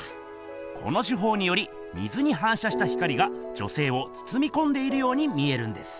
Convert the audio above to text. この手ほうにより水にはんしゃした光が女せいをつつみこんでいるように見えるんです。